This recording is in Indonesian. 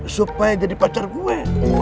supaya jadi pacar gue